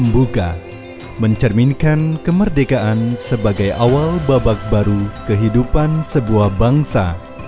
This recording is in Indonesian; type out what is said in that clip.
membuka mencerminkan kemerdekaan sebagai awal babak baru kehidupan sebuah bangsa